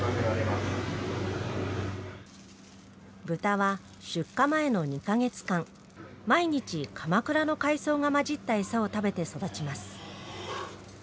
豚は出荷前の２か月間、毎日、鎌倉の海藻が混じった餌を食べて育ちます。